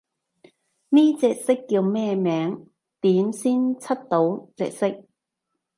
呢隻色叫咩名？點先出到隻色？